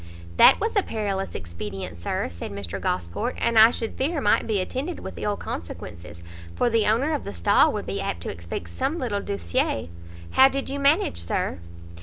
"That was a perilous expedient, Sir," said Mr Gosport, "and I should fear might be attended with ill consequences, for the owner of the stall would be apt to expect some little douçeur. How did you manage, Sir?"